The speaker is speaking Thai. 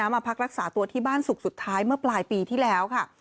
มาพักรักษาตัวที่บ้านศุกร์สุดท้ายเมื่อปลายปีที่แล้วค่ะ